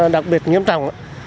đặc biệt nghiêm trọng